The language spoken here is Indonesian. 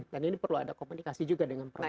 dan ini perlu ada komunikasi juga dengan produsen